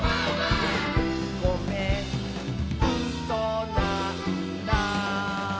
「ごめんうそなんだ」